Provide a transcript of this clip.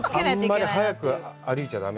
あんまり早く歩いちゃだめ。